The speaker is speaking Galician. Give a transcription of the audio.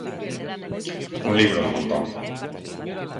Un libro do montón.